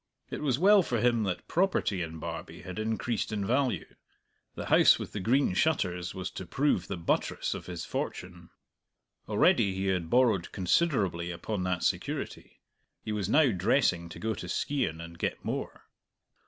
It was well for him that property in Barbie had increased in value; the House with the Green Shutters was to prove the buttress of his fortune. Already he had borrowed considerably upon that security; he was now dressing to go to Skeighan and get more.